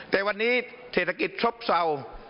แต่วันนี้เศรษฐกิจซบเศร้า